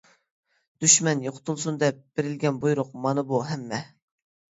دۈشمەن يوقىتىلسۇن، دەپ بېرىلگەن بۇيرۇق مانا بۇ ھەممە!